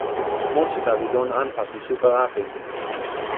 monsuta li lon anpa pi supa lape mi.